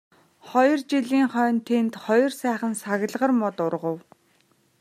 Хоёр жилийн хойно тэнд хоёр сайхан саглагар мод ургав.